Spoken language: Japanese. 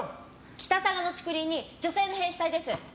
北嵯峨の竹林に女性の変死体です。